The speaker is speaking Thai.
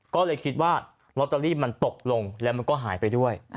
ก็เลยคิดว่าลอตเตอรี่มันตกลงแล้วมันก็หายไปด้วย